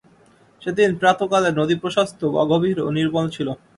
সে দিন প্রাতঃকালে নদী প্রশস্ত, অগভীর এবং নির্মল ছিল।